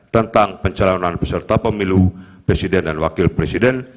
tentang pencalonan peserta pemilu presiden dan wakil presiden